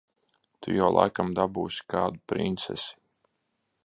Tu jau laikam dabūsi kādu princesi.